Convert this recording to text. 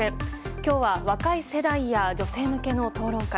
今日は若い世代や女性向けの討論会。